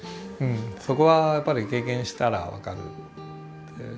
そこはやっぱり経験したら分かる。